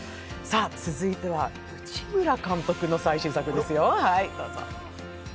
続いては、内村監督の最新作ですよ。